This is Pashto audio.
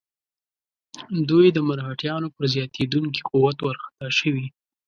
دوی د مرهټیانو پر زیاتېدونکي قوت وارخطا شوي.